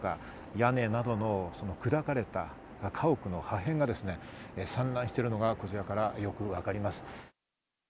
屋根などの砕かれた多くの破片が散乱しているのがよく分かります。